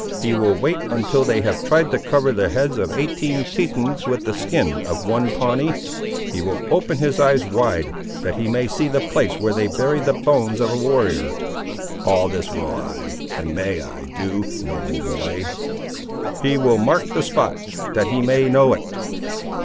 He will wait until they have tried to cover the heads of eighteen Tetons with the skin of one Pawnee; he will open his eyes wide, that he may see the place where they bury the bones of a warrior." "All this will I, and may I, do, noble boy." "He will mark the spot, that he may know it."